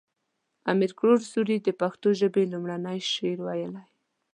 امیر کروړ سوري د پښتو ژبې لومړنی شعر ويلی